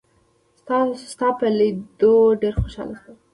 ستا په لیدو ډېر خوشاله شوم.